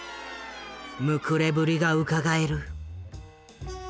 むくれぶりがうかがえる。